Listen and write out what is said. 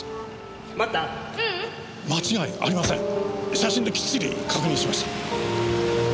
写真できっちり確認しました。